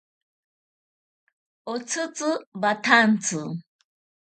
Otsitzi watsanti.